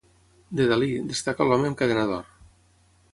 De Dalí, destaca l"Home amb cadena d'or".